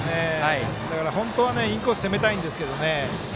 本当はインコース攻めたいんですけどね。